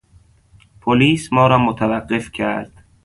پلیس ما را متوقف کرد.